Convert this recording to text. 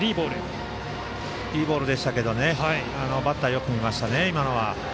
いいボールでしたがバッターがよく見ましたね。